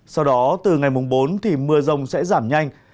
sau đó từ ngày bốn mưa rông sẽ giảm nhanh